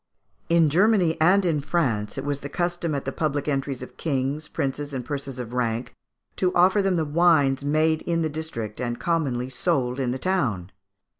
In Germany and in France it was the custom at the public entries of kings, princes, and persons of rank, to offer them the wines made in the district and commonly sold in the town.